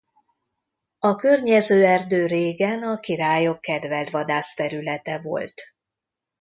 A környező erdő régen a királyok kedvelt vadászterülete volt.